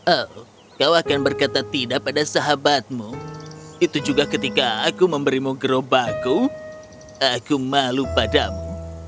oh kau akan berkata tidak pada sahabatmu itu juga ketika aku memberimu gerobakku aku malu padamu